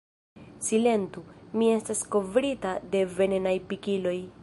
"Silentu, mi estas kovrita de venenaj pikiloj!"